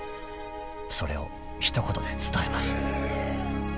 ［それを一言で伝えます］